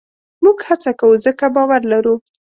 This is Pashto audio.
موږ هڅه کوو؛ ځکه باور لرو.